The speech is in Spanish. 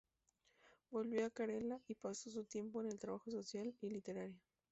Volvió a Kerala y pasó su tiempo en el trabajo social y literaria.